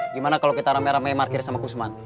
gimana kalau kita rame rame markir sama kusman